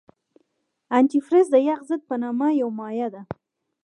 انتي فریز د یخ ضد په نامه یو مایع ده.